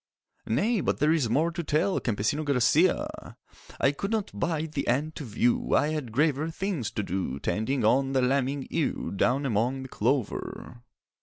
'Nay, but there is more to tell, Campesino Garcia!' 'I could not bide the end to view; I had graver things to do Tending on the lambing ewe Down among the clover.